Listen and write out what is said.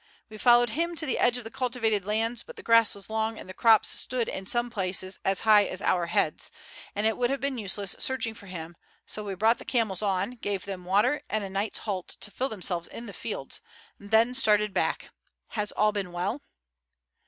We followed him to the edge of the cultivated lands, but the grass was long and the crops stood in some places as high as our heads, and it would have been useless searching for him, so we brought the camels on, gave them water and a night's halt to fill themselves in the fields, and then started back. Has all been well?"